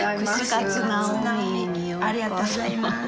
ありがとうございます。